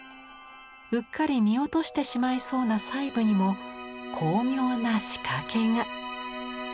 うっかり見落としてしまいそうな細部にも巧妙な仕掛けが。